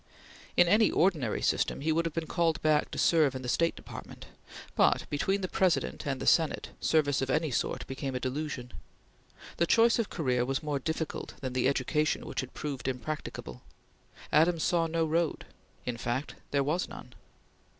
In any ordinary system he would have been called back to serve in the State Department, but, between the President and the Senate, service of any sort became a delusion. The choice of career was more difficult than the education which had proved impracticable. Adams saw no road; in fact there was none.